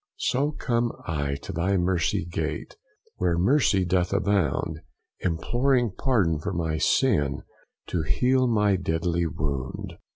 So come I to thy mercy gate, Where mercy doth abound, Imploring pardon for my sin, To heal my deadly wound.